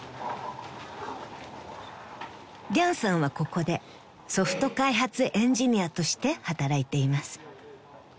［リャンさんはここでソフト開発エンジニアとして働いています］